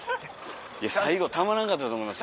最後たまらんかったと思いますよ。